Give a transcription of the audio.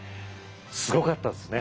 すごかったですね